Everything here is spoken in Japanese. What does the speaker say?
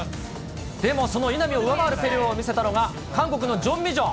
でもその稲見を上回るプレーを見せたのが、韓国のジョン・ミジョン。